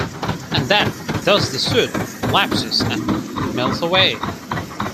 And that thus the suit lapses and melts away?